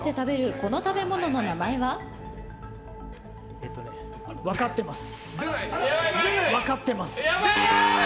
えっとね分かってます。